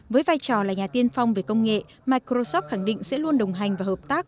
với vai trò là nhà tiên phong về công nghệ microsoft khẳng định sẽ luôn đồng hành và hợp tác